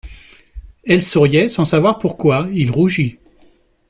Elle souriait ; sans savoir pourquoi, il rougit.